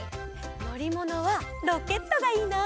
のりものはロケットがいいな！